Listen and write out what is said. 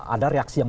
ada reaksi yang